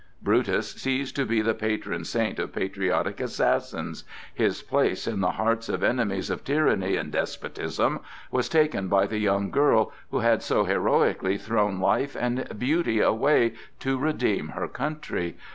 Brutus ceased to be the patron saint of patriotic assassins; his place in the hearts of enemies of tyranny and despotism was taken by the young girl who had so heroically thrown life and beauty away to redeem her country.